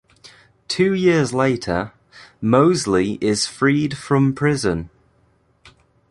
Two years later, Mosley is freed from prison.